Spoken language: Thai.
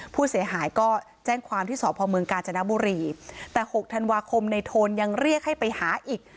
ผู้เสียหายก็แจ้งความที่สพเมืองกาญจนบุรีแต่หกธันวาคมในโทนยังเรียกให้ไปหาอีก